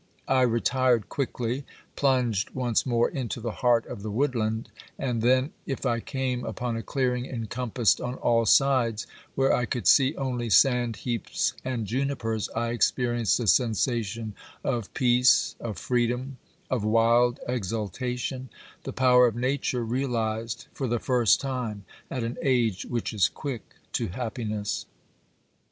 I retired quickly, plunged once more into the heart of the woodland, and then if I came upon a clearing encompassed on all sides, where I could see only sand heaps and junipers, I experienced a sensation of peace, of freedom, of wild exultation, the power of Nature realised for the first time at an age which is quick to happiness.